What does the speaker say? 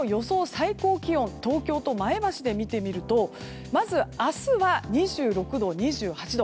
最高気温を東京と前橋で見てみるとまず明日は２６度、２８度。